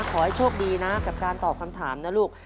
ขอให้โชคดีนะกับการตอบคำถามนะลูก